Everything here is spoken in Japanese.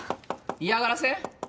嫌がらせ？